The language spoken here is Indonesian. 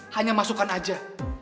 hanya masukkan aja